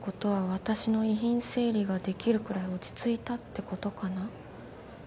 「私の遺品整理ができるくらい落ち着いたってことかな」